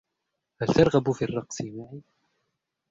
هل ترغب في الرقص معي ؟